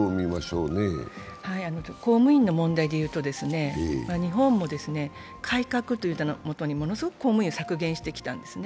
公務員の問題でいうと、日本も改革という名のもとにものすごく公務員を削減してきたんですね。